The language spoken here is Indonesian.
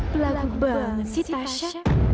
pelaku banget si tasya